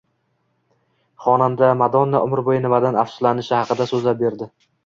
Xonanda Madonna umr bo‘yi nimadan afsuslanishi haqida so‘zlab berdi